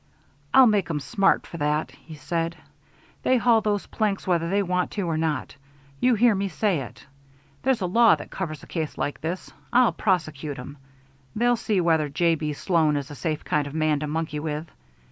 "I'll make 'em smart for that," he said. "They haul those planks whether they want to or not. You hear me say it. There's a law that covers a case like that. I'll prosecute 'em. They'll see whether J. B. Sloan is a safe kind of man to monkey with.